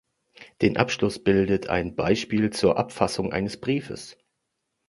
Den Abschluss bildet ein Beispiel zur Abfassung eines Briefes.